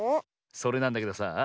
それなんだけどさあ